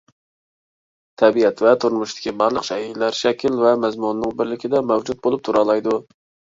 تەبىئەت ۋە تۇرمۇشتىكى بارلىق شەيئىلەر شەكىل ۋە مەزمۇننىڭ بىرلىكىدە مەۋجۇت بولۇپ تۇرالايدۇ.